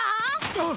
あっ！